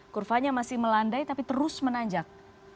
kurvanya masih melandai tapi terus menanjak